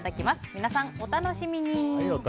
皆さん、お楽しみに！